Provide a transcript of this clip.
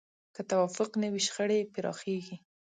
که توافق نه وي، شخړې پراخېږي.